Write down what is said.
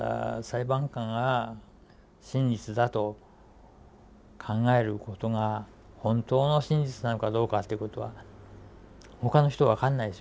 裁判官が真実だと考えることが本当の真実なのかどうかということは他の人分かんないですよ。